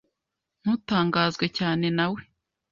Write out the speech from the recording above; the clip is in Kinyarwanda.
Ntutangazwe cyane nawe